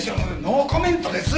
ノーコメントです。